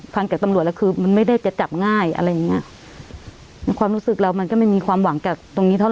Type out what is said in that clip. ฟังจากตำรวจแล้วคือมันไม่ได้จะจับง่ายอะไรอย่างเงี้ยความรู้สึกเรามันก็ไม่มีความหวังจากตรงนี้เท่าไ